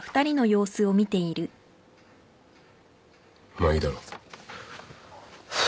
まあいいだろう。